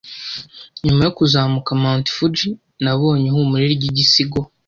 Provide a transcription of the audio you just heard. Nyuma yo kuzamuka Mt. Fuji, Nabonye ihumure ry'igisigo.